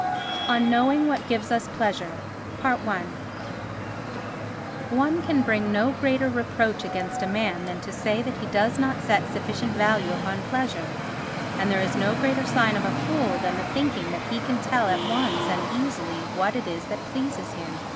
On Knowing what Gives us Pleasure i One can bring no greater reproach against a man than to say that he does not set sufficient value upon pleasure, and there is no greater sign of a fool than the thinking that he can tell at once and easily what it is that pleases him.